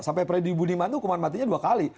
sampai predi budiman hukuman matinya dua kali